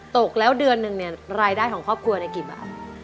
ตกแล้วเดือนหนึ่งเนี่ยรายได้ของครอบครัวเนี่ยกี่บาท